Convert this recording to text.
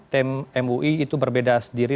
tim mui itu berbeda sendiri